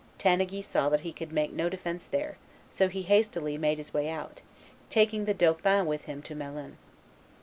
Tanneguy saw that he could make no defence there; so he hastily made his way out, taking the dauphin with him to Melun.